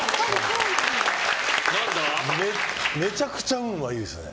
めちゃくちゃ運はいいですね。